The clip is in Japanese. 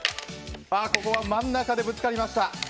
ここは真ん中でぶつかりました。